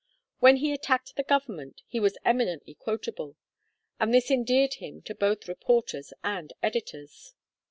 When he attacked the government he was eminently quotable, and this endeared him to both reporters and editors.